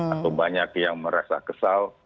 atau banyak yang merasa kesal